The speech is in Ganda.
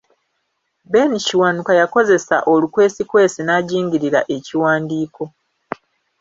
Ben Kiwanuka yakozesa olukwesikwesi n’ajingirira ekiwandiiko.